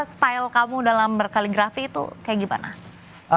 style kamu dalam berkaligrafi itu kayak gimana